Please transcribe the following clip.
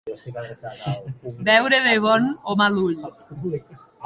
Veure de bon o mal ull.